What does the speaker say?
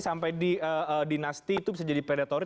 sampai dinasti itu bisa jadi predatori